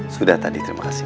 sudah tadi terima kasih